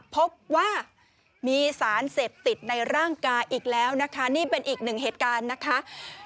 พบว่ามีสารเสพติดในร่างกายอีกแล้วนะคะนี่เป็นอีกหนึ่งเหตุการณ์นะคะ